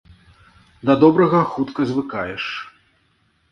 Да добрага хутка звыкаеш.